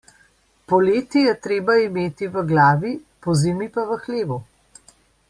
Poleti je treba imeti v glavi, pozimi pa v hlevu.